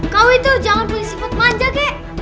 kau itu jangan punya sibuk manja kek